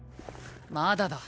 まだだ。